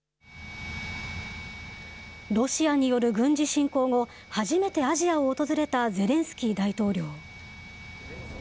ロシアによる軍事侵攻後、初めてアジアを訪れたゼレンスキー大統領。